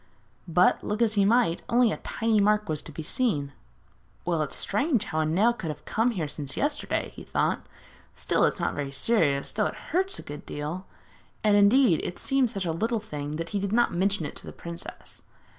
But, look as he might, only a tiny mark was to be seen. 'Well, it's strange how a nail could have come here since yesterday,' he thought. 'Still, it is not very serious, though it hurts a good deal.' And, indeed, it seemed such a little thing that he did not mention it to the princess.